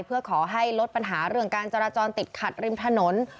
เพื่อขอให้ลดปัญหาเรื่องการจราจรติดขัดริมถนน